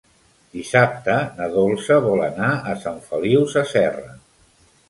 Dissabte na Dolça vol anar a Sant Feliu Sasserra.